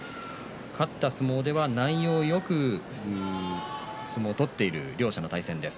勝った相撲では内容よく相撲を取っている両者の対戦です。